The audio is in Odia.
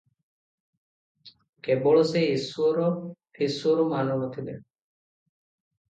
କେବଳ ସେ ଈଶ୍ୱର ଫିଶ୍ୱର ମାନୁ ନ ଥିଲେ ।